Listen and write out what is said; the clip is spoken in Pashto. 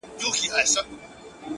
ستا پر ځنگانه اكثر!!